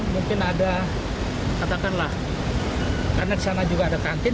mungkin ada katakanlah karena di sana juga ada kantin